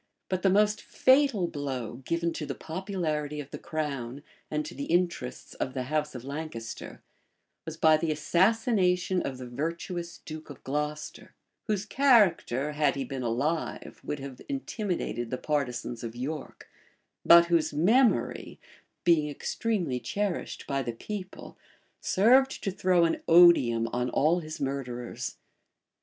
But the most fatal blow given to the popularity of the crown and to the interests of the house of Lancaster, was by the assassination of the virtuous duke of Glocester; whose character, had he been alive, would have intimidated the partisans of York; but whose memory, being extremely cherished by the people, served to throw an odium on all his murderers.